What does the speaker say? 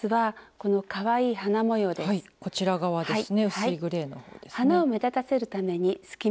こちらですね。